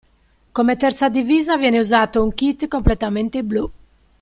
Come terza divisa viene usato un kit completamente blu.